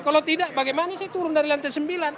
kalau tidak bagaimana saya turun dari lantai sembilan